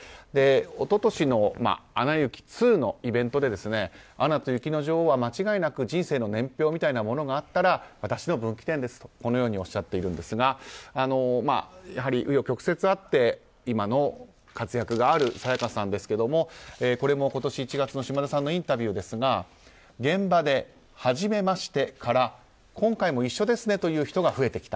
一昨年の「アナ雪２」のイベントで「アナと雪の女王」は間違いなく人生の年表みたいなものがあったら私の分岐点ですとおっしゃっているんですがやはり紆余曲折あって今の活躍がある沙也加さんですけれどもこれも今年１月の島田さんのインタビューですが現場で初めましてから今回も一緒ですねという人が増えてきた。